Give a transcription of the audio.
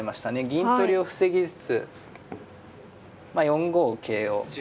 銀取りを防ぎつつまあ４五桂を。